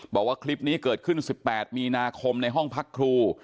บอกว่าคลิปนี้เกิดขึ้น๑๘มีนาคมในห้องพักครู